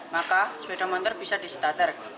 maka alat ini akan dikontrol